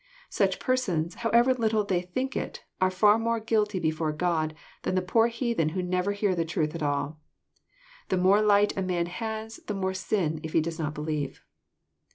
Such persons, however little they think it, are far more guilty before God than the poor heathen who never hear truth at all. The more light a man has, the more sin, if he does not believe.